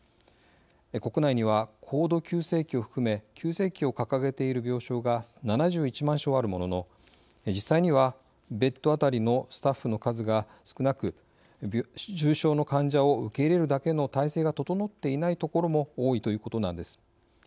国内には高度急性期を含め急性期を掲げている病床が７１万床あるものの実際にはベッド当たりのスタッフの数が少なく重症の患者を受け入れるだけの体制が整っていない所も多いということなんです。